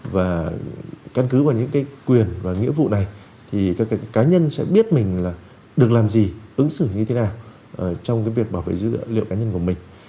và căn cứ vào những cái quyền và nghĩa vụ này thì các cá nhân sẽ biết mình là được làm gì ứng xử như thế nào trong cái việc bảo vệ dữ liệu cá nhân của mình